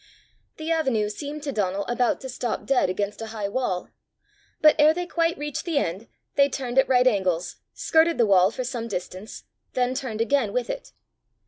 The avenue seemed to Donal about to stop dead against a high wall, but ere they quite reached the end, they turned at right angles, skirted the wall for some distance, then turned again with it.